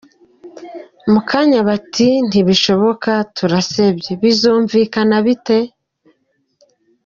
Mukanya bati ntibishoboka turasebye, bizumvikana bite ?